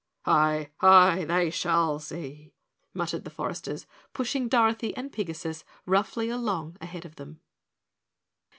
"Aye! Aye! They shall see," muttered the foresters, pushing Dorothy and Pigasus roughly along ahead of them.